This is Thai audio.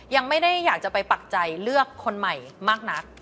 ยังไม่ได้อยากจะไปปักใจเลือกคนใหม่มากนัก